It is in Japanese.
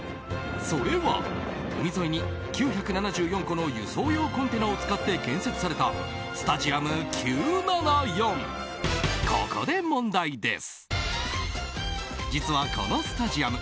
それは海沿いに９７４個の輸送用コンテナを使って建設されたスタジアム９７４。